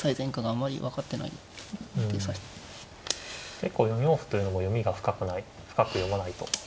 結構４四歩というのも読みが深く読まないと。